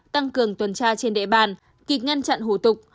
tăng cường tuần tra trên địa bàn kịp ngăn chặn hủ tục